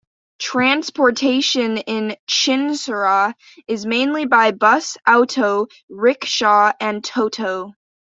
Transportation in Chinsurah is mainly by bus, auto, rickshaw and toto.